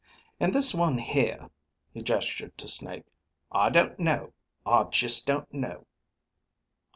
And this one here," he gestured to Snake, "I don't know. I just don't know."